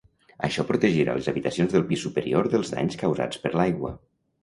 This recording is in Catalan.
Això protegirà les habitacions del pis superior dels danys causats per l'aigua.